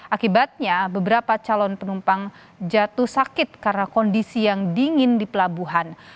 akibatnya beberapa calon penumpang jatuh sakit karena kondisi yang dingin di pelabuhan